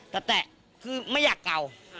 แต่คือไม่อยากเก่า